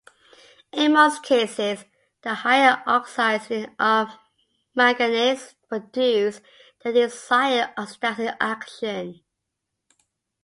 In most cases, the higher oxides of manganese produce the desired oxidizing action.